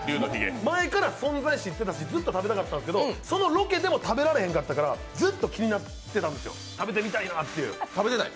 前から存在知ってたしずっと食べたかったんですけど、そのロケでも食べられへんかったからずっと気になってたんです、食べてみたいなって。